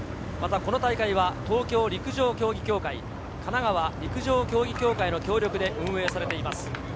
この大会は東京陸上競技協会、神奈川陸上競技協会の協力で運営されています。